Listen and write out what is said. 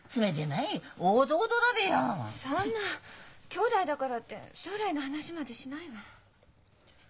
きょうだいだからって将来の話までしないわ。